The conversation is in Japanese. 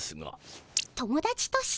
友だちとして？